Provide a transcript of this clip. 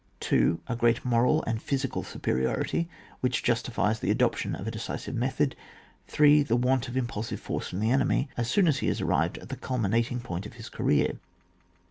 2. A great moral and physical supe riority, which justifies the adoption of a decisive method. 3. The want of impulsive force in the enemv as soon as he has arrived at the culminating point of his career.